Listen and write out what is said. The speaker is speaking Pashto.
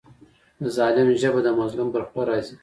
د ظالم ژبه د مظلوم پر خوله راځي.